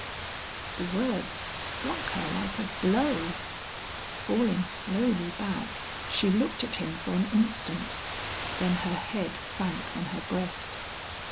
The words struck her like a blow. Falling slowly back, she looked at him for an instant, then her head sank on her breast.